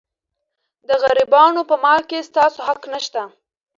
د غریبانو په مال کې ستاسو حق نشته.